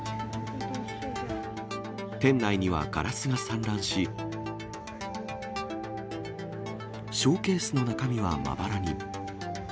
店内にはガラスが散乱し、ショーケースの中身はまばらに。